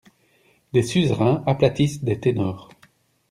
Des suzerains aplatissent des ténors.